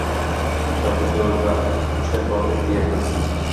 – shovqin-suron va hushtakbozlik qilyapmiz.